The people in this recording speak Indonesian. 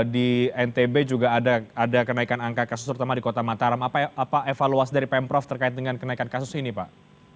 di ntb juga ada kenaikan angka kasus terutama di kota mataram apa evaluasi dari pemprov terkait dengan kenaikan kasus ini pak